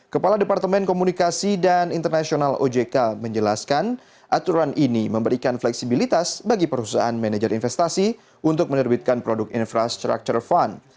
kepala departemen komunikasi dan internasional ojk menjelaskan aturan ini memberikan fleksibilitas bagi perusahaan manajer investasi untuk menerbitkan produk infrastructure fund